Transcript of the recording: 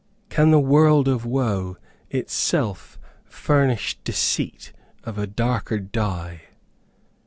Can the world of woe itself furnish deceit of a darker dye?